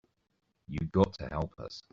You got to help us.